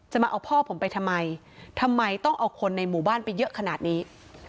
มาเอาพ่อผมไปทำไมทำไมต้องเอาคนในหมู่บ้านไปเยอะขนาดนี้